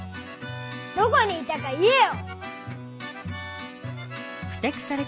どこにいたか言えよ！